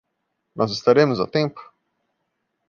Nós estaremos a tempo?